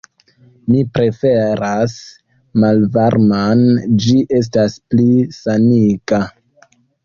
Mi preferas malvarman; ĝi estas pli saniga.